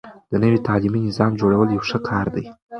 د نوي تعليمي نظام جوړول يو ښه کار دی.